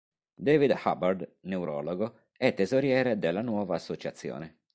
David Hubbard, neurologo è tesoriere della nuova associazione.